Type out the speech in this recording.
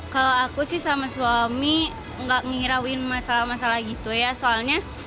kalau aku sih sama suami nggak ngirauin masalah masalah gitu ya soalnya